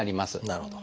なるほど。